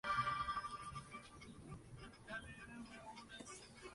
Su gran amigo Miguel Díaz dijo que: "La benevolencia es un don de Dios.